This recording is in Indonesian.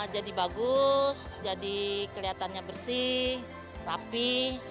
jadi bagus jadi kelihatannya bersih rapi